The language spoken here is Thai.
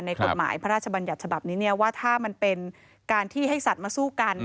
กฎหมายพระราชบัญญัติฉบับนี้ว่าถ้ามันเป็นการที่ให้สัตว์มาสู้กัน